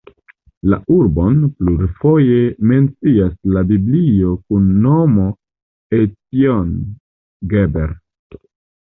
La urbon plurfoje mencias la Biblio kun nomo Ecjon-Geber.